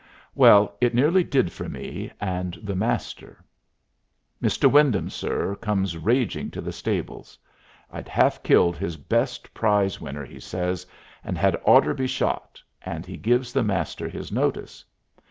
Well, it nearly did for me and the Master. "Mr. Wyndham, sir," comes raging to the stables. I'd half killed his best prize winner, he says, and had oughter be shot, and he gives the Master his notice.